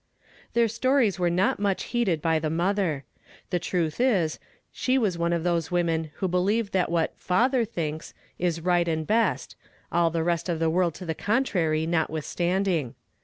Their stories were not mucli lieeded by the mother. The truth is, slie was one of those women who believe that wliat " father " thinks is rio ht and best, all the rest of the world to the contnarv not. withstanding.